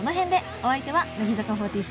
お相手は乃木坂４６